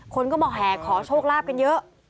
คนก็มาแห่ขอโชคลาภกันเยอะ